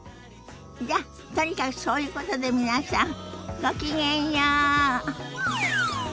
じゃとにかくそういうことで皆さんごきげんよう。